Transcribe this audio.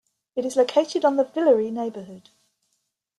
It is located on the Villeray neighborhood.